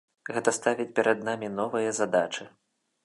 Гэта ставіць перад намі новыя задачы.